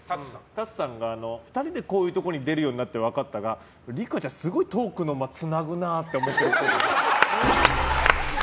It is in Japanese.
ＴＡＴＳＵさんが２人でこういうところに出るようになって分かったが梨花ちゃん、すごいトークの間つなぐなと思ってるっぽい。